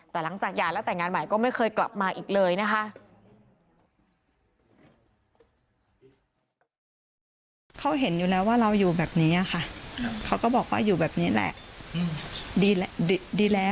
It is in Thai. แต่หลังจากหย่าแล้วแต่งงานใหม่ก็ไม่เคยกลับมาอีกเลยนะคะ